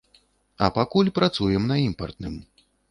А пакуль працуем на імпартным.